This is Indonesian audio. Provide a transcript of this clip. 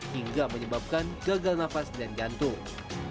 hingga menyebabkan gagal nafas dan jantung